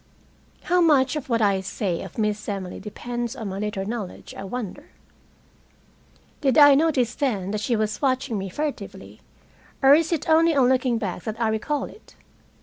How much of what I say of Miss Emily depends on my later knowledge, I wonder? Did I notice then that she was watching me furtively, or is it only on looking back that I recall it?